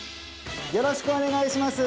よろしくお願いします